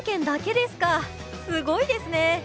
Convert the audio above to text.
すごいですね！